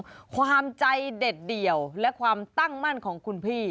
ความใจเด็ดเดี่ยวและความตั้งมั่นของคุณพี่